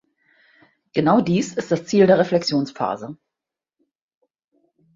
Genau dies ist das Ziel der Reflexionsphase.